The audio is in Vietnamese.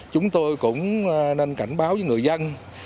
chúng tôi cũng nên cảnh báo với người dân